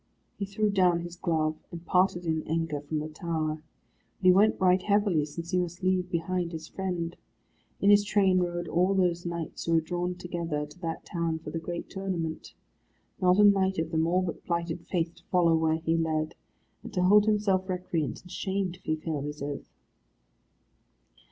He threw down his glove, and parted in anger from the tower. But he went right heavily, since he must leave behind his friend. In his train rode all those knights who had drawn together to that town for the great tournament. Not a knight of them all but plighted faith to follow where he led, and to hold himself recreant and shamed if he failed his oath.